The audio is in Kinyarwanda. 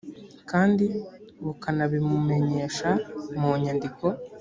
kandi bukanabimumenyesha mu nyandiko